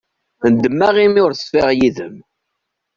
Nedmeɣ imi ur ṣfiɣ yid-m.